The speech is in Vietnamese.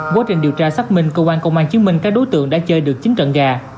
quá trình điều tra xác minh cơ quan công an chứng minh các đối tượng đã chơi được chín trận gà